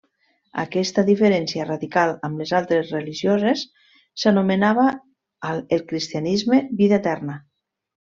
Aquesta diferència radical amb les altres religioses s'anomenava el cristianisme, vida eterna.